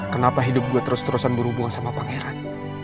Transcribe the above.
kenapa hidup gue terus terusan berhubungan sama pangeran